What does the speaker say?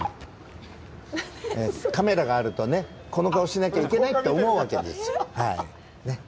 カメラがあるとこの顔しなきゃいけないって思うわけです。